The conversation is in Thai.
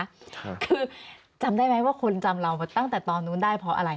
คือจำได้ไหมว่าคนจำเราตั้งแต่ตอนนู้นได้เพราะอะไร